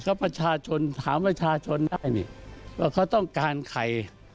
ก็ประชาชนถามประชาชนได้นี่ว่าเขาต้องการใคร